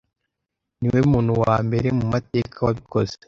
Niwe muntu wa mbere mu mateka wabikoze.